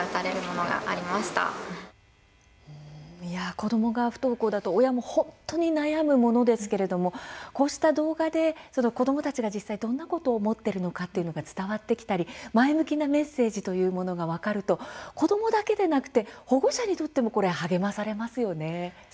子どもが不登校だと親も本当に悩むものですけれどもこうした動画で子どもたちが実際にどんなことを思っているのか伝わってきたり前向きなメッセージというものが分かると子どもだけでなくて保護者にとっても励まされますよね。